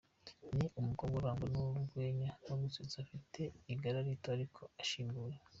Ni umukobwa urangwa n’urwenya no gusetsa, ufite igara rito ariko ushinguye.